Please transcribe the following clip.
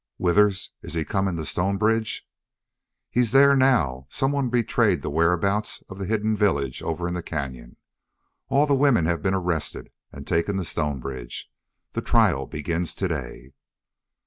"Withers! Is he coming to Stonebridge?" "He's there now. Some one betrayed the whereabouts of the hidden village over in the cañon. All the women have been arrested and taken to Stonebridge. The trial begins to day."